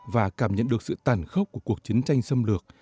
và cảm nhận được sự tàn khốc của cuộc chiến tranh xâm lược